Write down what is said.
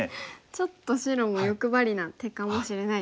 ちょっと白も欲張りな手かもしれないですね。